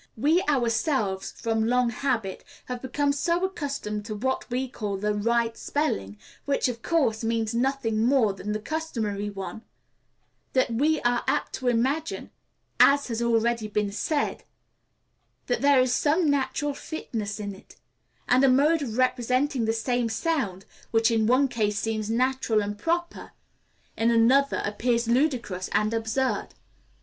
We ourselves, from long habit, have become so accustomed to what we call the right spelling which, of course, means nothing more than the customary one that we are apt to imagine, as has already been said, that there is some natural fitness in it; and a mode of representing the same sound, which in one case seems natural and proper, in another appears ludicrous and absurd.